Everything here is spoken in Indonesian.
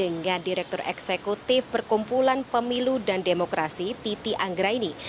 kita berdiskusi dengan direktur eksekutif perkumpulan pemilu dan demokrasi titi anggra ini